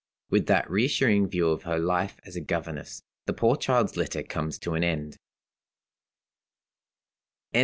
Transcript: With that reassuring view of her life as a governess, the poor child's letter comes to an end.